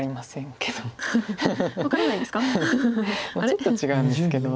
ちょっと違うんですけど。